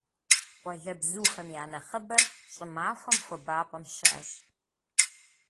Къуалэбзухэм я нэхъыбэр щӀымахуэм хуабапӀэм щыӀэщ.